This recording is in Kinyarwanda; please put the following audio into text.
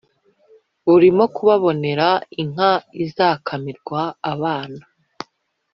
burimo kubabonera inka izakamirwa abana